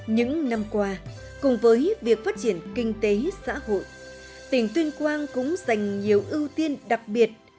những năm qua cùng với việc phát triển kinh tế xã hội tỉnh tuyên quang cũng dành nhiều ưu tiên đặc biệt